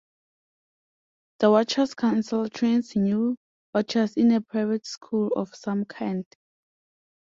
The Watchers' Council trains new Watchers in a private school of some kind.